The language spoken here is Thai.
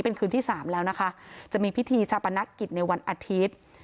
เป็นคืนที่สามแล้วนะคะจะมีพิธีชาปนกิจในวันอาทิตย์